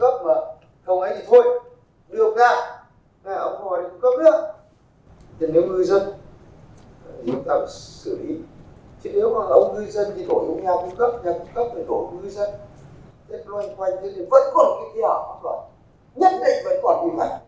tránh vi phạm khai thác iuu đồng thời cần có các biện pháp xử lý triệt đề trách nhiệm đối với cá nhân tổ chức để xảy ra vấn đề này